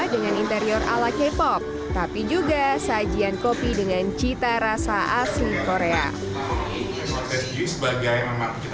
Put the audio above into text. dengan interior ala k pop tapi juga sajian kopi dengan cita rasa asli korea